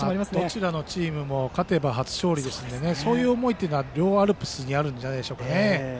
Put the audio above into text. どちらのチームも勝てば初勝利なのでそういう思いが両アルプスにあるんじゃないんですか。